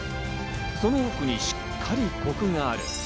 その奥にしっかりコクがある。